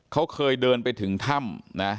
เขาเคยเดินไปถึงถ้ำนะ